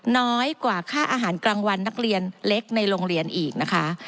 น้อยกว่าค่าอาหารกลางวันนักเรียนเล็กในโรงเรียนอีกนะคะ